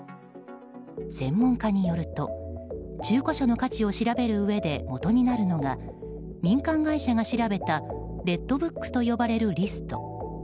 専門家によると中古車の価値を調べるうえでもとになるのが民間会社が調べたレッドブックと呼ばれるリスト。